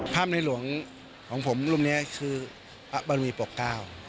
ภาพในหลวงของผมรุ่มนี้คือประบริมีปกเกล้า